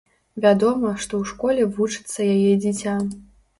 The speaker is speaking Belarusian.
Вядома, што ў школе вучыцца яе дзіця.